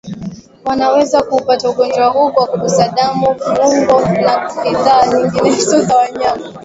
wanaweza kuupata ugonjwa huu kwa kugusa damu viungo na bidhaa nyinginezo za wanyama